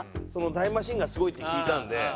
タイムマシーンがすごいって聞いたんで。